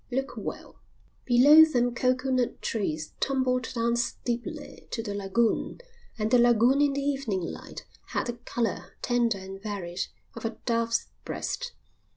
"Look well." Below them coconut trees tumbled down steeply to the lagoon, and the lagoon in the evening light had the colour, tender and varied, of a dove's breast.